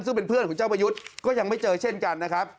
ซึ่งเป็นเพื่อนของเจ้าประยุทธ์ก็ยังไม่เจอเช่นกันนะครับ